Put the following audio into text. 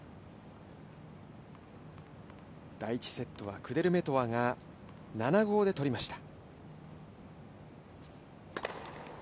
第１セットはクデルメトワが７−５で取りました。